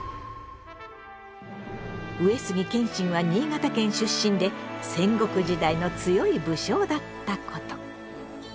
上杉謙信は新潟県出身で戦国時代の強い武将だったこと。